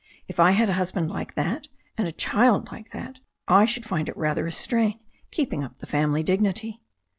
If I had a husband like that and a child like that I should find it rather a strain keeping up the family dignity."